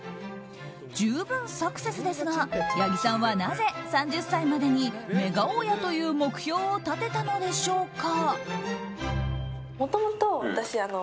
十分サクセスですが八木さんはなぜ３０歳までにメガ大家という目標を立てたのでしょうか？